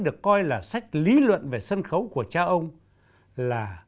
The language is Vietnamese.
được coi là sách lý luận về sân khấu của cha ông là